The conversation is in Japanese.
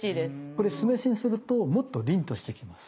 これ酢飯にするともっと凛としてきます。